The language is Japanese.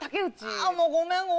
あぁもうごめんごめん。